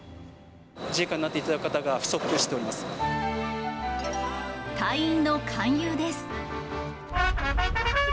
自衛官になっていただく方が隊員の勧誘です。